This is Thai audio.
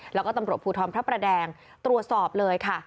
แล้วก็ตำรวจภูทรพระประแดงตรวจสอบเลยค่ะ